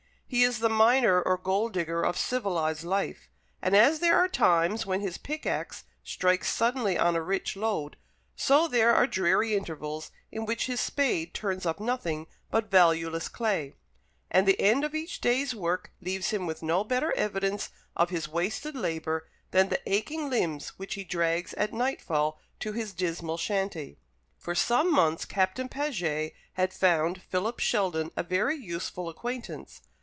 He is the miner or gold digger of civilized life; and as there are times when his pickaxe strikes suddenly on a rich lode, so there are dreary intervals in which his spade turns up nothing but valueless clay, and the end of each day's work leaves him with no better evidence of his wasted labour than the aching limbs which he drags at nightfall to his dismal shanty. For some months Captain Paget had found Philip Sheldon a very useful acquaintance.